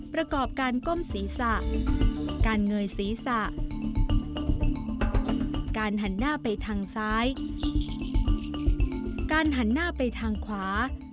ประกอบการก้มศีรษะการเงยศีรษะการหันหน้าไปทางซ้ายการหันหน้าไปทางขวา